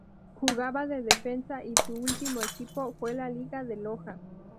Jugaba de defensa y su último equipo fue la Liga de Loja.